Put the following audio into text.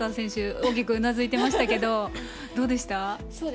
大きくうなずいていましたがどうでしたか。